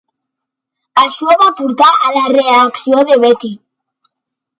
Això va portar a la reacció de Betti.